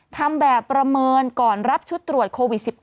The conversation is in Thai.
ทำแบบประเมินก่อนรับชุดตรวจโควิด๑๙